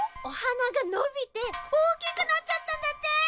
おはながのびておおきくなっちゃったんだって！